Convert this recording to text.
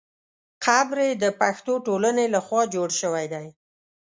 قبر یې د پښتو ټولنې له خوا جوړ شوی دی.